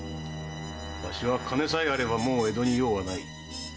わしは金さえあればもう江戸に用はない。